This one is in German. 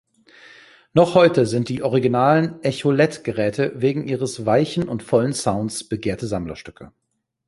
Noch heute sind die originalen Echolette-Geräte wegen ihres weichen und vollen Sounds begehrte Sammlerstücke.